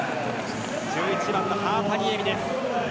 １１番のハーパニエミです。